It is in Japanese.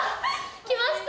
来ました。